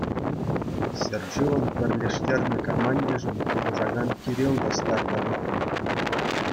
Ҫӗршывӑн пӗрлештернӗ командишӗн тупӑшакан Кирилл та старта тухнӑ.